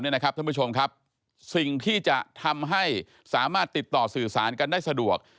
ท่านผู้ชมครับสิ่งที่จะทำให้สามารถติดต่อสื่อสารกันได้สะดวก